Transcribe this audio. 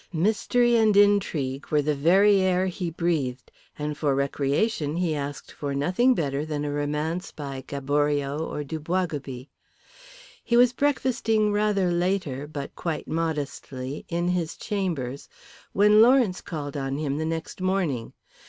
Mystery and intrigue were the very air he breathed, and for recreation he asked for nothing better than a romance by Gaboriau or Du Boisgobey. He was breakfasting rather later, but quite modestly, in his chambers when Lawrence called on him the next morning.